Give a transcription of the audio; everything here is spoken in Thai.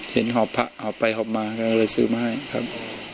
เห็นหอปะหอปไปหอปมากันเลยซื้อมาให้ครับ